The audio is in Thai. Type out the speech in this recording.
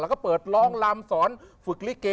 แล้วก็เปิดร้องลำสอนฝึกลิเก